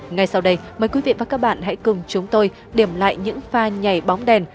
ngay sau đây mời quý vị và các bạn hãy cùng chúng tôi điểm lại những pha nhảy bóng đèn